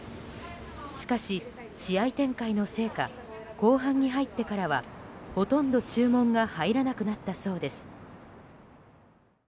しかし、試合展開のせいか後半に入ってからはほとんど注文が入らなくなったそうです。